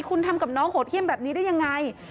คุณทำกับน้องโหดเข้มแบบนี้ได้อย่างไร